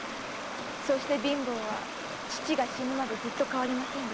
そして貧乏は父が死ぬまでずっと変わりませんでした。